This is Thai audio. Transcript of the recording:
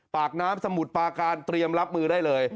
ปากน้ำสมุทรปาการเตรียมรับมือได้เลย